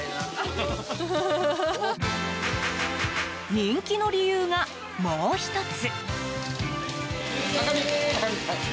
人気の理由がもう１つ。